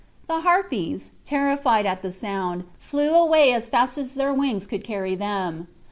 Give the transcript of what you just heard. The Harpies, terrified at the sound, flew away as fast as their wings could carry them.